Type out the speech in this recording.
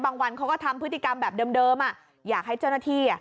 บางวันเขาก็ทำพฤติกรรมแบบเดิมอ่ะอยากให้เจ้าหน้าที่